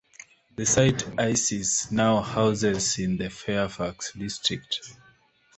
The site isis now houses in the Fairfax District.